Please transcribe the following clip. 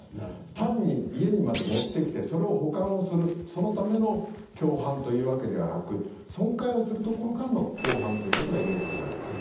単に家にまで持ってきてそれを保管する、そのための共犯というわけではなく損壊をするところからの共犯ということが言えると思います。